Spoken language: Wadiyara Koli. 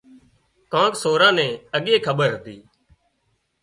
ڪانڪ سوران نين اڳي کٻير هتي